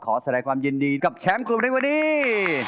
แสดงความยินดีกับแชมป์กลุ่มในวันนี้